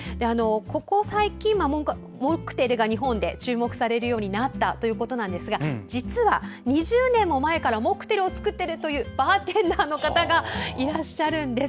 ここ最近モクテルが日本で注目されるようになったということですが実は、２０年も前からモクテルを作っているというバーテンダーの方がいらっしゃるんです。